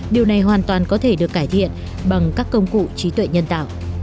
điều này hoàn toàn có thể được cải thiện bằng các công cụ trí tuệ nhân tạo